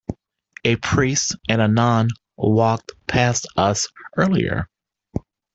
A priest and nun walked past us earlier.